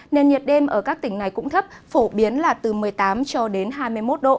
nền nhiệt đêm ở các tỉnh này cũng thấp phổ biến là từ một mươi tám cho đến hai mươi một độ